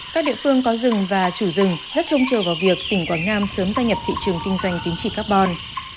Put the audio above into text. các địa phương có rừng và chủ rừng rất trông chờ vào việc tỉnh quảng nam sớm gia nhập thị trường kinh doanh tính trị carbon